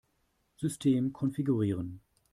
System konfigurieren.